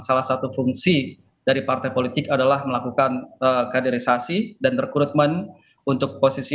salah satu fungsi dari partai politik adalah melakukan kaderisasi dan rekrutmen untuk posisi